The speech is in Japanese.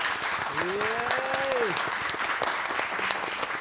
え！